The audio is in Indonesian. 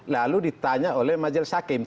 lalu ditanya oleh majelis hakim